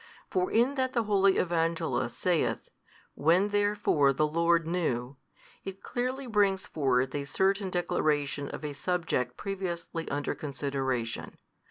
For in that the holy Evangelist saith When therefore the Lord knew, it clearly brings forth a certain declaration of a subject previously under consideration.